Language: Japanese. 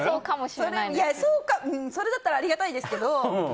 それだったらありがたいですけど。